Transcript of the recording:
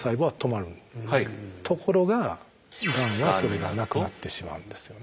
ところががんはそれがなくなってしまうんですよね。